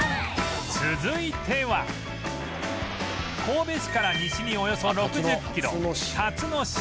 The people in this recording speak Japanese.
続いては神戸市から西におよそ６０キロ